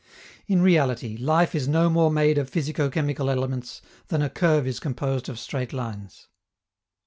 In reality, life is no more made of physico chemical elements than a curve is composed of straight lines.